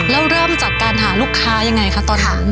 แล้วเริ่มจากการหาลูกค้ายังไงคะตอนนั้น